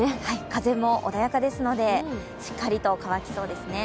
風も穏やかですので、しっかりと乾きそうですね。